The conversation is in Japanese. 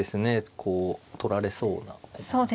こう取られそうな駒組みで。